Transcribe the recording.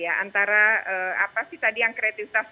antara apa sih tadi yang kreativitas